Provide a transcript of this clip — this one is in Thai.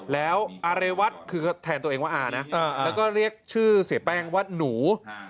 แล้วอาเรวัตคือแทนตัวเองว่าอานะแล้วก็เรียกชื่อเสียแป้งว่าหนู